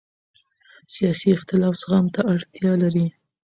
سیاسي اختلاف زغم ته اړتیا لري